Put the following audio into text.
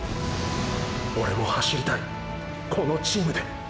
オレも走りたいこのチームで！！